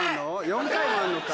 ４回もあんのか。